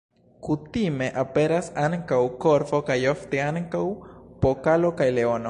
Kutime aperas ankaŭ korvo kaj ofte ankaŭ pokalo kaj leono.